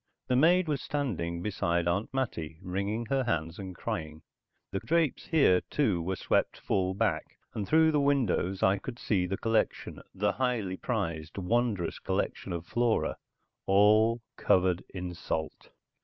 The maid was standing beside Aunt Mattie, wringing her hands and crying. The drapes here, too, were swept full back, and through the windows I could see the collection, the highly prized, wondrous collection of flora, all covered in salt.